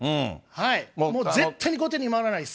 もう絶対に後手に回らないです。